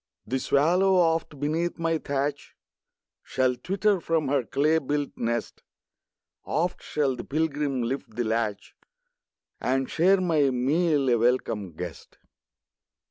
The swallow, oft, beneath my thatch, Shall twitter from her clay built nest; Oft shall the pilgrim lift the latch, And share my meal, a welcome guest.